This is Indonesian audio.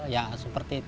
ya seperti itu